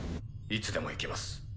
いつでもいけます。